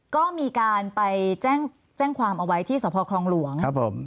ก็มีการไปแจ้งความเอาไว้ที่สภคลองหลวงครับผม